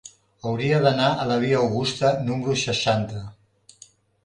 Hauria d'anar a la via Augusta número seixanta.